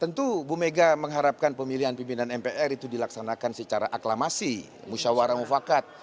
tentu bu mega mengharapkan pemilihan pimpinan mpr itu dilaksanakan secara aklamasi musyawarah mufakat